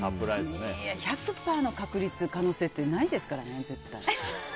１００％の確立、可能性ってないですからね、絶対。